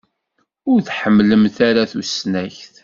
Ur tḥemmlemt ara tusnakt.